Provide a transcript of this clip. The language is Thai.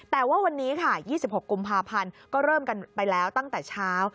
แต่ว่าวันนี้ค่ะ๒๖กุมภาพันธ์ก็เริ่มกันไปแล้วตั้งแต่เช้า